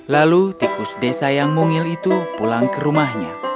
lalu tikus desa yang mungil itu pulang ke rumahnya